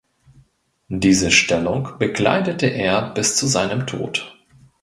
Diese Stellung bekleidete er bis zu seinem Tod.